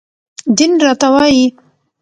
دين راته وايي